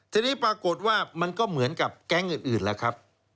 ทีนี้ปรากฏว่ามันก็เหมือนกับแก๊งอื่นแล้วครับ